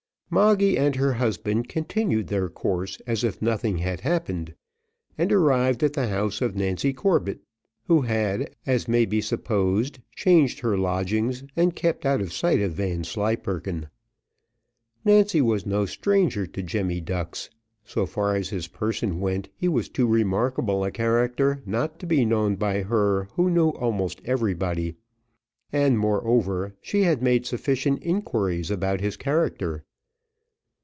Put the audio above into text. Moggy and her husband continued their course as if nothing had happened, and arrived at the house of Nancy Corbett, who had, as may be supposed, changed her lodgings and kept out of sight of Vanslyperken. Nancy was no stranger to Jemmy Ducks; so far as his person went he was too remarkable a character not to be known by her who knew almost everybody; and, moreover, she had made sufficient inquiries about his character.